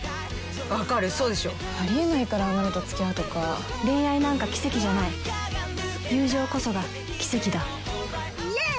わかるそうでしょありえないからあんなのとつきあうとか恋愛なんか奇跡じゃない友情こそが奇跡だイエイ！